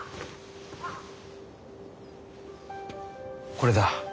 これだ。